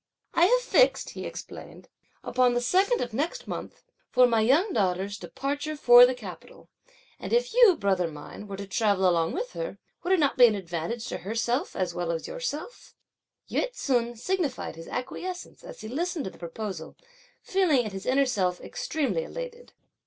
"I have fixed," (he explained,) "upon the second of next month, for my young daughter's departure for the capital, and, if you, brother mine, were to travel along with her, would it not be an advantage to herself, as well as to yourself?" Yü ts'un signified his acquiescence as he listened to his proposal; feeling in his inner self extremely elated.